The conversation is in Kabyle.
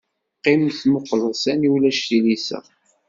Qqim tmuqleḍ sani ulac tilisa.